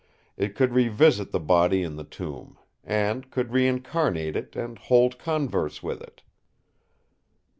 It could revisit the body in the tomb ... and could reincarnate it and hold converse with it.